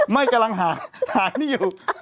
ไม่กำลังหาหานี่อยู่